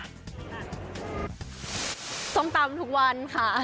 ส้มตำทุกวันค่ะ